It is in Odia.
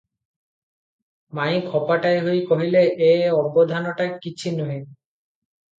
ମାଇଁ ଖପାଟାଏ ହୋଇ କହିଲେ, "ଏ ଅବଧାନଟା କିଛି ନୁହେ ।